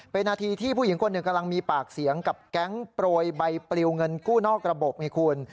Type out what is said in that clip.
เป็นนาทีที่ผู้หญิงคนหนึ่งกำลังมีปากเสียงกับแก๊งโปรยใบปลิวเงินกู้นอกระบบไงคุณ